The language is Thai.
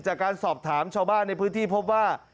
จากการสอบถามชาวบ้านในพื้นที่พบว่า